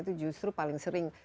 itu justru paling sering